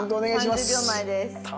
３０秒前です。